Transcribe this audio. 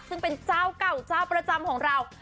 ซึ่งเป็นเจ้าเก่าเจ้าประจำของเรา